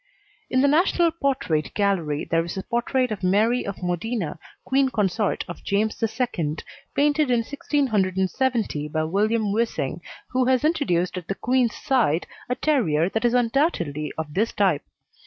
In the National Portrait Gallery there is a portrait of Mary of Modena, Queen Consort of James II., painted in 1670 by William Wissing, who has introduced at the Queen's side a terrier that is undoubtedly of this type.